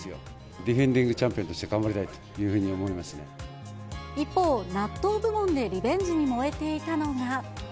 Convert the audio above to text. ディフェンディングチャンピオンとして頑張りたいというふうに思一方、納豆部門でリベンジに燃えていたのが。